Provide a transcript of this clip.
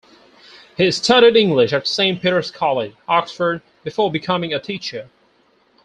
He studied English at Saint Peter's College, Oxford, before becoming a teacher.